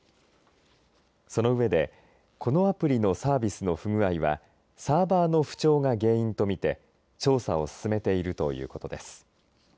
その上でこのアプリのサービスの不具合はサーバーの不調が原因と見て調査を進めているということです。